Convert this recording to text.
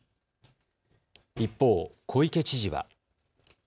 一方、小池知事は。